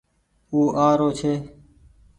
او آ رو ڇي